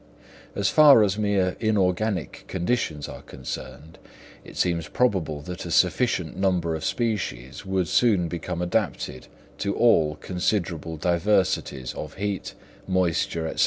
As far as mere inorganic conditions are concerned, it seems probable that a sufficient number of species would soon become adapted to all considerable diversities of heat, moisture, &c.